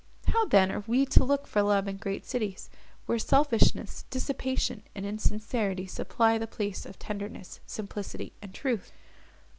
How then are we to look for love in great cities, where selfishness, dissipation, and insincerity supply the place of tenderness, simplicity and truth?"